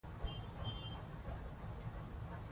پر حاکمیت نیوکې کول د هر چا حق دی.